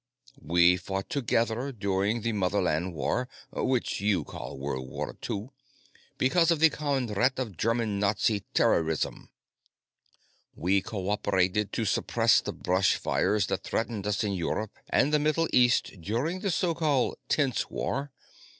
We fought together during the Motherland War what you call World War II because of the common threat of German Nazi terrorism. We co operated to suppress the brush fires that threatened us in Europe and the Middle East during the so called Tense War.